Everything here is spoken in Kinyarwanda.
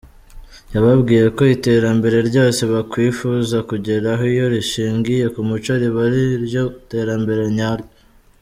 yababwiye ko iterambere ryose bakwifuza kugeraho iyo rishingiye kumuco riba ari ryo terambere nyaryo.